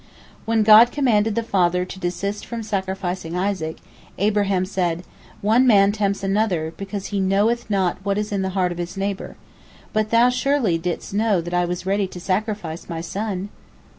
" When God commanded the father to desist from sacrificing Isaac, Abraham said: "One man tempts another, because he knoweth not what is in the heart of his neighbor. But Thou surely didst know that I was ready to sacrifice my son!"